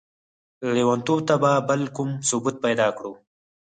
ليونتوب ته به بل کوم ثبوت پيدا کړو؟!